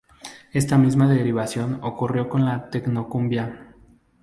Esta misma derivación ocurrió con la tecnocumbia.